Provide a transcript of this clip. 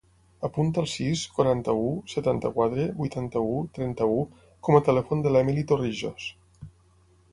Apunta el sis, quaranta-u, setanta-quatre, vuitanta-u, trenta-u com a telèfon de l'Emily Torrijos.